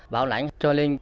báo lãnh cho lên